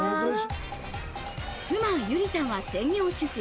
妻・ゆりさんは専業主婦。